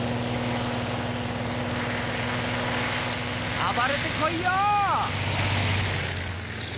暴れて来いよ！